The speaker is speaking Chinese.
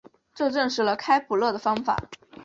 这证实了开普勒的方法。